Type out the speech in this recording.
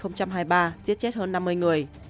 năm hai nghìn hai mươi ba giết chết hơn năm mươi người